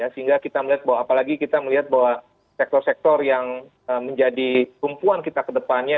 sehingga kita melihat bahwa apalagi kita melihat bahwa sektor sektor yang menjadi tumpuan kita ke depannya